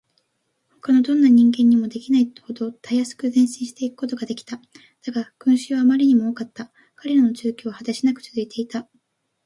ほかのどんな人間にもできないほどたやすく前進していくことができた。だが、群集はあまりにも多かった。彼らの住居は果てしなくつづいていた。